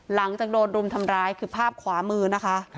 หลังจากโดนรุมทำร้ายคือภาพขวามือนะคะ